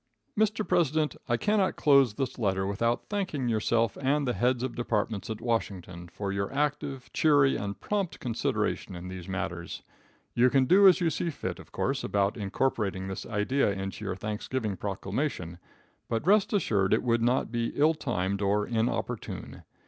Mr. President, I cannot close this letter without thanking yourself and the heads of departments at Washington for your active, cheery and prompt cooperation in these matters. You can do as you see fit, of course, about incorporating this idea into your Thanksgiving proclamation, but rest assured it would not be ill timed or inopportune.